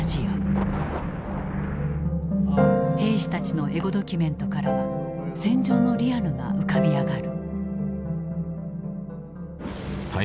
兵士たちのエゴドキュメントからは戦場のリアルが浮かび上がる。